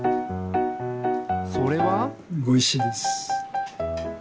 それは？ごいしです。